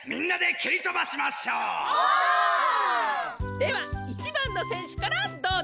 では１ばんのせんしゅからどうぞ！